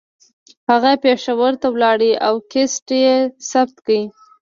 هغه پېښور ته لاړ او کیسټ یې ثبت کړه